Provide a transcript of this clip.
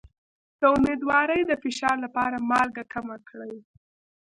د امیدوارۍ د فشار لپاره مالګه کمه کړئ